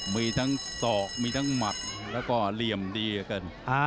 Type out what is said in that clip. มีทั้งศอกมีทั้งหมัดแล้วก็เหลี่ยมดีกัน